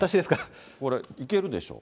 これ、いけるでしょう。